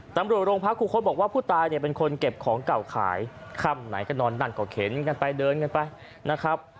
ตำรวจโรงพักครูคดบอกว่าผู้ตายเนี่ยเป็นคนเก็บของเก่าขายค่ำไหนก็นอนนั่นก็เข็นกันไปเดินกันไปนะครับ